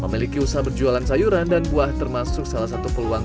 memiliki usaha berjualan sayuran dan buah termasuk salah satu peluang